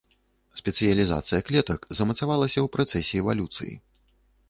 Спецыялізацыя клетак замацавалася ў працэсе эвалюцыі.